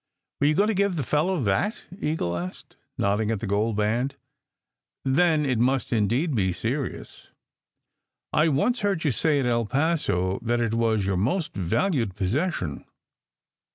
"Were you going to give the fellow that?" Eagle asked, nodding at the gold band. "Then it must indeed be serious. I once heard you say at El Paso that it was your most valued possession!"